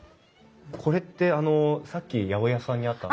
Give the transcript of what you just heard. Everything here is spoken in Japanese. これってあのさっき八百屋さんにあった。